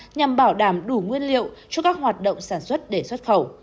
nhằm bảo đảm đủ nguyên liệu cho các hoạt động sản xuất để xuất khẩu